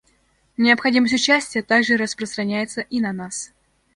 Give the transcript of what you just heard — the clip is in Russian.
Необходимость участия также распространяется и на нас.